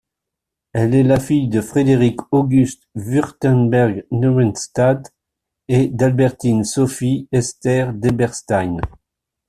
Elle est la fille de Frédéric-Auguste de Wurtemberg-Neuenstadt et d'Albertine-Sophie-Esther d'Eberstein.